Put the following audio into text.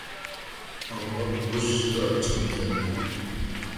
ئاڭلاپ غۇژژىدە ئاچچىقىم كەلدى.